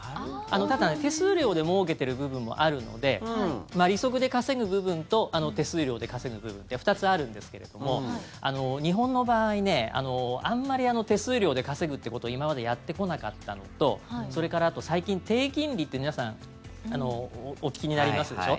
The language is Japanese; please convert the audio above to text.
ただ、手数料でもうけている部分もあるので利息で稼ぐ部分と手数料で稼ぐ部分って２つあるんですけれども日本の場合あんまり手数料で稼ぐってことを今までやってこなかったのとそれから、あと最近、低金利って皆さんお聞きになりますでしょ。